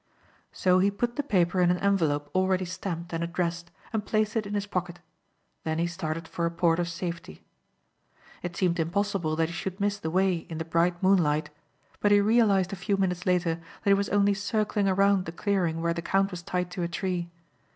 So he put the paper in an envelope already stamped and addressed and placed it in his pocket. Then he started for a port of safety. It seemed impossible that he should miss the way in the bright moonlight but he realized a few minutes later that he was only circling around the clearing where the count was tied to a tree.